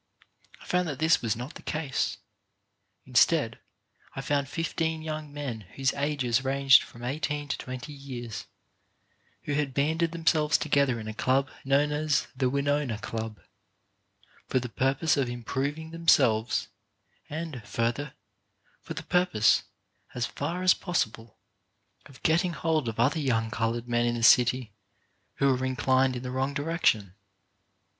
I found that this was not the case. Instead, I found fifteen young men whose ages ranged from eighteen to twenty years, who had banded themselves together in a club known as the "Winona Club," for the purpose of improving themselves, and further, for the purpose, so far as possible, of getting hold of other young coloured men in the city who were inclined in the wrong direction.